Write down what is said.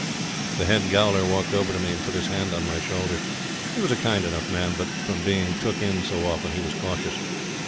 The head gaoler walked over to me, and put his hand on my shoulder. He was a kind enough man, but, from being 'took in' so often, he was cautious.